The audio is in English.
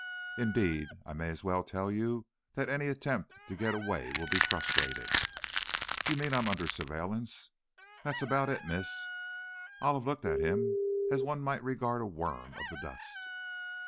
Indeed, I may as well tell you that any attempt to get away will be frustrated." "You mean I am under surveillance!" "That's about it, miss." Olive looked at him as one might regard a worm of the dust.